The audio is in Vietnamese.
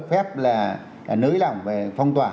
được phép là nới lỏng về phong tỏa